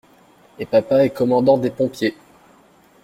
Et papa est commandant des pompiers.